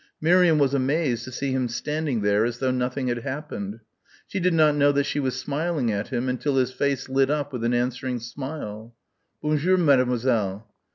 Miriam was amazed to see him standing there as though nothing had happened. She did not know that she was smiling at him until his face lit up with an answering smile. "Bonjour, mademoiselle."